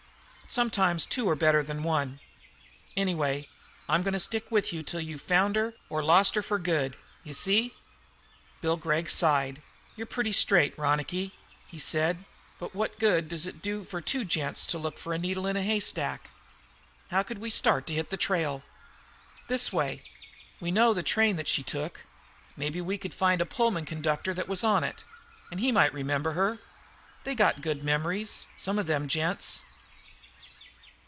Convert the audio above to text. Sometimes two are better than one. Anyway I'm going to stick with you till you've found her or lost her for good. You see?" Bill Gregg sighed. "You're pretty straight, Ronicky," he said, "but what good does it do for two gents to look for a needle in a haystack? How could we start to hit the trail?" "This way. We know the train that she took. Maybe we could find the Pullman conductor that was on it, and he might remember her. They got good memories, some of those gents.